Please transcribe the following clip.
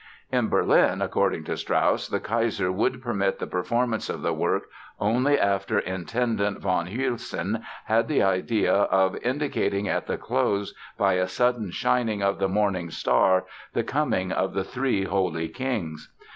In Berlin, according to Strauss, the Kaiser would permit the performance of the work, only after Intendant von Hülsen had the idea of "indicating at the close by a sudden shining of the morning star the coming of the Three Holy Kings."